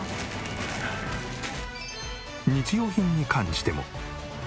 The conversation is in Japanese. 日用品に関しても。